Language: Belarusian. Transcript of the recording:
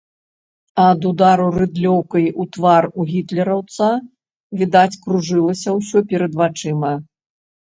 Ад удару рыдлёўкай у твар у гітлераўца, відаць, кружылася ўсё перад вачыма.